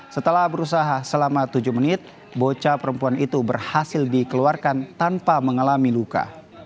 setelah berusaha selama tujuh menit bocah perempuan itu berhasil dikeluarkan tanpa mengalami luka